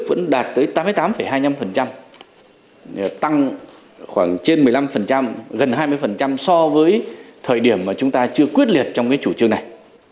vẫn đạt tới tám mươi tám hai mươi năm tăng khoảng trên một mươi năm gần hai mươi so với thời điểm mà chúng ta chưa quyết liệt trong cái chủ trương này